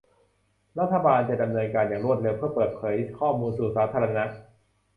รัฐบาลจะดำเนินการอย่างรวดเร็วเพื่อเปิดเผยข้อมูลสู่สาธารณะ